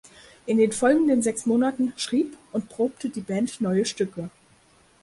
In den folgenden sechs Monaten schrieb und probte die Band neue Stücke.